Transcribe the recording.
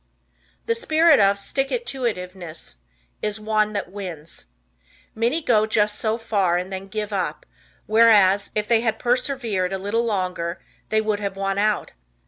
The spirit of "sticktoitiveness" is the one that wins. Many go just so far and then give up, whereas, if they had persevered a little longer, they would have won out.